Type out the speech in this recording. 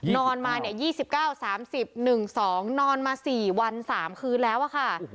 นอนมา๒๙๓๐๑๒นอนมา๔วัน๓คืนแล้วอะค่ะ